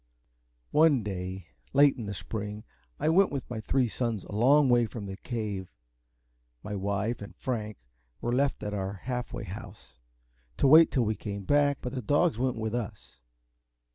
One day late in the spring I went with my three sons a long way from the Cave. My wife and Frank were left at our Half Way House, to wait till we came back, but the dogs went with us.